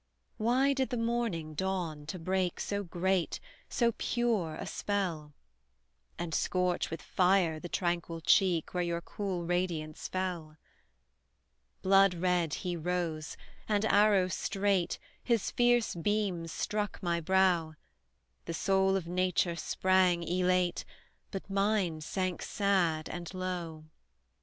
Why did the morning dawn to break So great, so pure, a spell; And scorch with fire the tranquil cheek, Where your cool radiance fell? Blood red, he rose, and, arrow straight, His fierce beams struck my brow; The soul of nature sprang, elate, But mine sank sad and low!